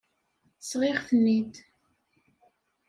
Sɣiɣ-ten-id.